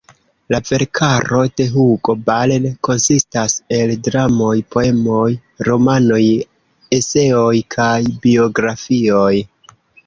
La verkaro de Hugo Ball konsistas el dramoj, poemoj, romanoj, eseoj kaj biografioj.